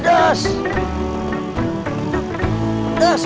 pedes kurang pedes